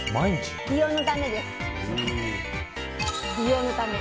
美容のためです。